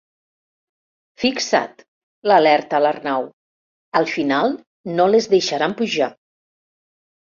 Fixa't —l'alerta l'Arnau—, al final no les deixaran pujar.